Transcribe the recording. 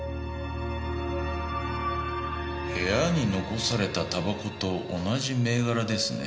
部屋に残されたタバコと同じ銘柄ですね。